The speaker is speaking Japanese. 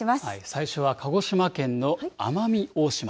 最初は鹿児島県の奄美大島。